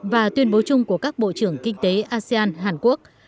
và tuyên bố chung của các bộ trưởng kinh tế asean hàn quốc